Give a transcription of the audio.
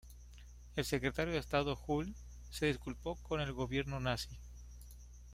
El Secretario de Estado Hull se disculpó con el gobierno nazi.